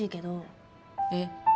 えっ？